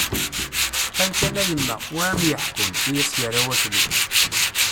- Qqim kan a yemma, wa ad am-yeḥkun! I as-yerra Wakli.